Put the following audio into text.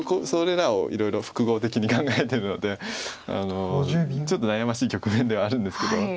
それらをいろいろ複合的に考えてるのでちょっと悩ましい局面ではあるんですけど。